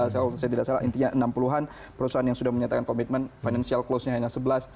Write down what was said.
saya kalau saya tidak salah intinya enam puluh an perusahaan yang sudah menyatakan komitmen financial close nya hanya sebelas